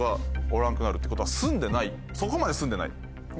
そこまで住んでない？